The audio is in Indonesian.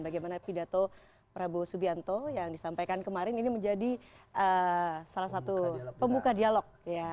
bagaimana pidato prabowo subianto yang disampaikan kemarin ini menjadi salah satu pembuka dialog